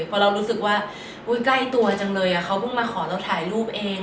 เพราะเรารู้สึกว่าอุ้ยใกล้ตัวจังเลยอะเขาก็มาขอเราถ่ายรูปเอง